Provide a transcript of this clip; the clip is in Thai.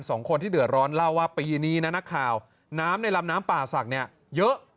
สองคนที่เดือดร้อนเล่าว่าปีนี้นะนักข่าวน้ำในลำน้ำป่าศักดิ์เนี่ยเยอะ